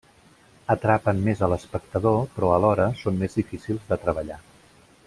Atrapen més a l’espectador però alhora són més difícils de treballar.